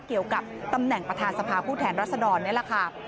เกี่ยวกับตำแหน่งประธานสภาผู้แทนรัศดรนี่แหละค่ะ